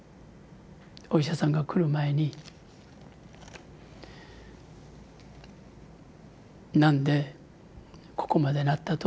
お医者さんが来る前に「なんでここまでなったと？」